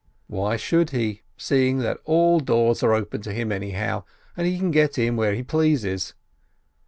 Why should he, seeing that all doors are open to him anyhow, and he can get in where he pleases